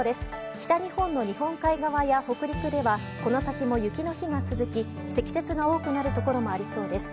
北日本の日本海側や北陸では、この先も雪の日が続き、積雪が多くなる所もありそうです。